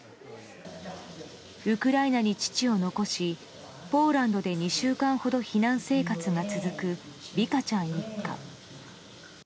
ウクライナに父を残しポーランドで２週間ほど避難生活が続くヴィカちゃん一家。